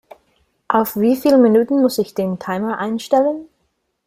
Auf wie viel Minuten muss ich den Timer einstellen?